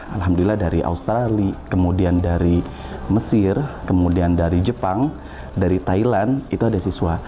alhamdulillah dari australia kemudian dari mesir kemudian dari jepang dari thailand itu ada siswa